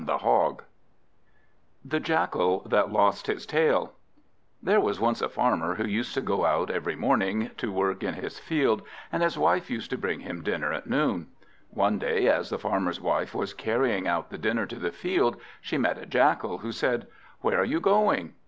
The Jackal that Lost his Tail THERE was once a Farmer, who used to go out every morning to work in his field, and his wife used to bring him dinner at noon. One day, as the Farmer's wife was carrying out the dinner to the field, she met a Jackal, who said "Where are you going?"